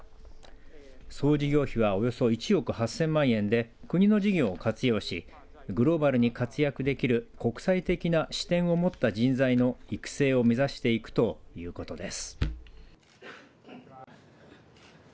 総事業費はおよそ１億８０００万円で国の事業を活用しグローバルに活躍できる国際的な視点を持った人材の育成を目指していくということです。